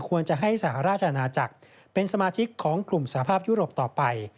ควรจะให้สหราชอาณาจักรเป็นสมาชิกของกลุ่มสภาพยุโรปต่อไป